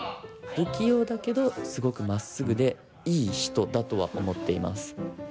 不器用だけどすごくまっすぐでいい人だとは思っています。